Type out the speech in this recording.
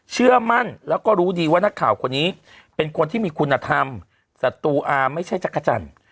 เชื่อมั่นแล้วก็รู้ดีว่านักข่าวคนนี้เป็นคนที่มีคุณธรรมศัตรูอาไม่ใช่จักรจันทร์